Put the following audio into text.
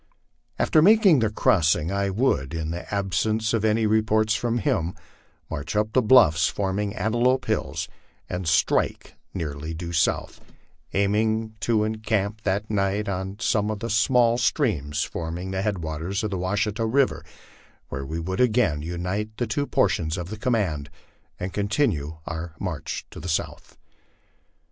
After making the cross LIFE ON THE PLAINS, 151 ing I would, in the absence of any reports from him, march up the bluffs forming Antelope Hills and strike nearly due south, aiming to encamp that night on some one of the small streams forming the headwaters of the Washita river, where wo would again unite the two portions of the command and continue our march to the south.